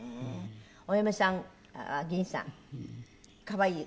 お嫁さんぎんさん可愛い？